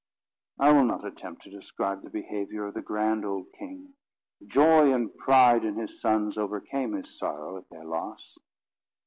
I will not attempt to describe the behaviour of the grand old king. Joy and pride in his sons overcame his sorrow at their loss.